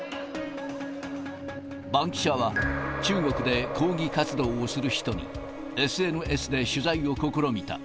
バンキシャは、中国で抗議活動をする人にＳＮＳで取材を試みた。